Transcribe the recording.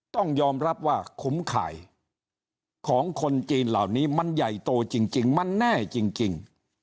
ต้องยอมรับว่าขุมข่ายของคนจีนเหล่านี้มันใหญ่โตจริงมันแน่จริง